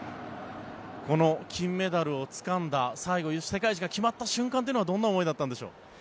この金メダルをつかんだ最後、世界一が決まった瞬間というのはどんな思いだったんでしょう？